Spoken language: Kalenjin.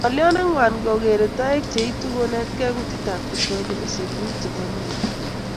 Ngolyot nengwan ko kekere toek cheitu konetkei kutitab kiswahili kosir bik chebo koret